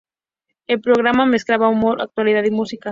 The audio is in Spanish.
El programa mezclaba humor, actualidad y música.